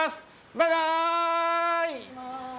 バイバーイ！